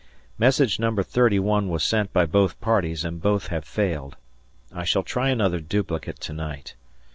Message No. 31 was sent by both parties, and both have failed. I shall try another duplicate to night.